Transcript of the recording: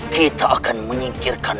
kita akan menyingkirkan